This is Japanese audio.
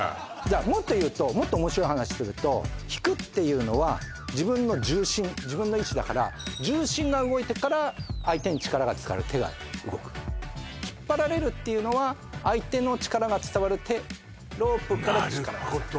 もっと言うともっと面白い話すると引くっていうのは自分の重心自分の意思だから重心が動いてから相手に力が伝わる手が動く引っ張られるっていうのは相手の力が伝わる手ロープから力が伝わるなるほど！